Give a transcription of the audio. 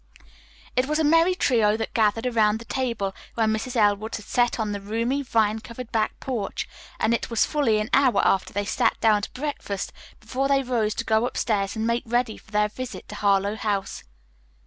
It was a merry trio that gathered around the table which Mrs. Elwood had set on the roomy, vine covered back porch, and it was fully an hour after they sat down to breakfast before they rose to go upstairs and make ready for their visit to Harlowe House.